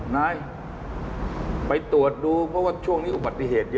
นายไปตรวจดูเพราะว่าช่วงนี้อุบัติเหตุเยอะ